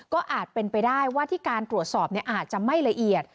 ก็อาจเป็นไปได้ว่าที่การตรวจสอบอาจจะไม่ละเอียด